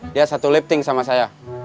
dia satu lifting sama saya